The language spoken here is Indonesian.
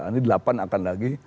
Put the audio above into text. ini delapan akan lagi